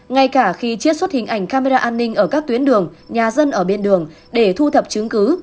ngay cả khi chiết xuất hình ảnh camera an ninh ở các tuyến đường nhà dân ở bên đường để thu thập chứng cứ